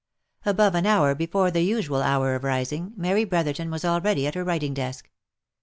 Above an hour before the usual hour of rising, Mary Brotherton was already at her writing desk.